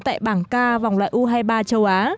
tại bảng k vòng loại u hai mươi ba châu á